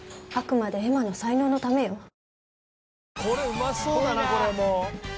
あくまで恵麻の才能のためよ。